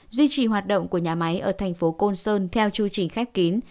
duy trì hoạt động của nhà máy ở thành phố côn sơn theo chưu trình khép kín